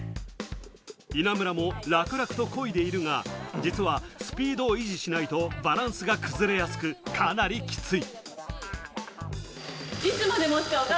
稲村も楽々とこいでいるが、実はスピードを維持しないとバランスが崩れやすくかなりきつい。